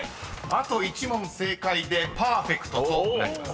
［あと１問正解でパーフェクトとなります］